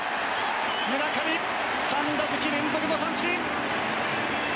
村上、３打席連続の三振。